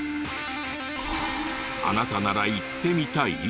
あなたなら行ってみたい？